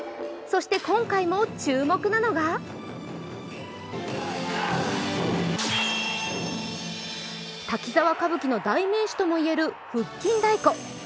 そして今回も注目なのが「滝沢歌舞伎」の代名詞ともいえる腹筋太鼓。